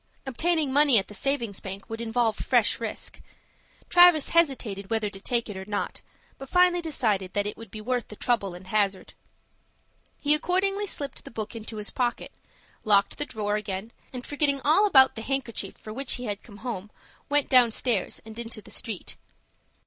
Obtaining money at the savings bank would involve fresh risk. Travis hesitated whether to take it or not; but finally decided that it would be worth the trouble and hazard. He accordingly slipped the book into his pocket, locked the drawer again, and, forgetting all about the handkerchief for which he had come home went downstairs, and into the street.